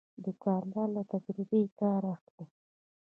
دوکاندار له تجربې کار اخلي.